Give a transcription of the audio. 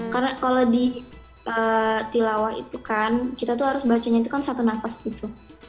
karena kalau di tilawah itu kan kita harus baca itu kan satu nafas gitu